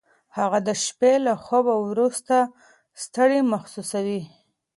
هغه د شپې له خوبه وروسته ستړی محسوسوي.